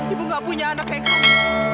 ibu gak punya anak yang kamu